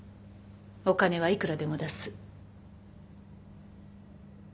お金はいくらでも出す。